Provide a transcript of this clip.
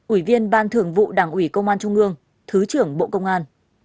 ủy viên ban thường vụ đảng ủy công an trung ương thứ trưởng bộ công an